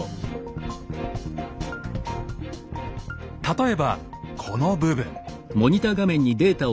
例えばこの部分。